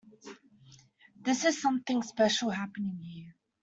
This is something special happening here.